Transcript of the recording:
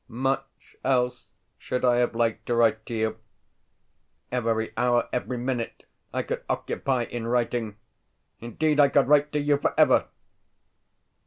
Much else should I have liked to write to you. Every hour, every minute I could occupy in writing. Indeed I could write to you forever!